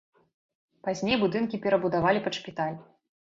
Пазней будынкі перабудавалі пад шпіталь.